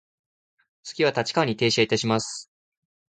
次は立川に停車いたします。